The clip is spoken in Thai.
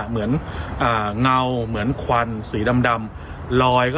เรื่องแบบนี้เราต้องไปถามอาจารย์ออสค่ะ